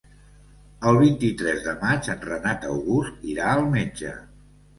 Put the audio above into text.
El vint-i-tres de maig en Renat August irà al metge.